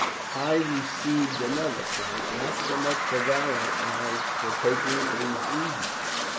"I received another, Frank; not so much for valour as for taking things easy."